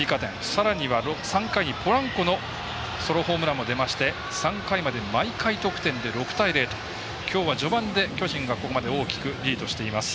さらには３回にポランコのソロホームランも出まして３回まで毎回得点で６対０ときょうは序盤で巨人がここまで大きくリードしています。